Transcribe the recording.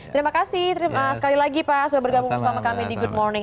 terima kasih sekali lagi pak sudah bergabung bersama kami di good morning